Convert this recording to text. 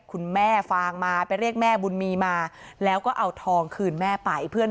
คุณแม่ฟางมาไปเรียกแม่บุญมีมาแล้วก็เอาทองคืนแม่ไปเพื่อน